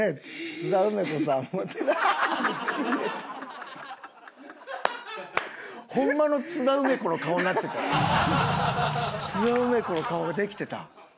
津田梅子の顔ができてた。